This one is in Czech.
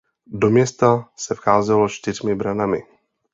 Do města se vcházelo čtyřmi branami.